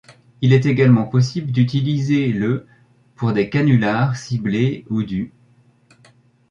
Il est également possible d'utiliser le ' pour des canulars ciblés et du '.